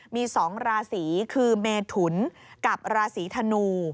มี๒ราศีคือเมถุนกับราศีธนู